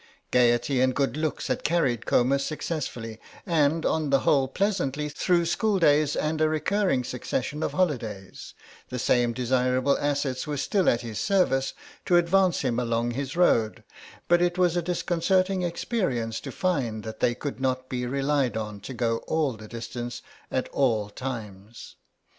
Gaiety and good looks had carried Comus successfully and, on the whole, pleasantly, through schooldays and a recurring succession of holidays; the same desirable assets were still at his service to advance him along his road, but it was a disconcerting experience to find that they could not be relied on to go all distances at all times.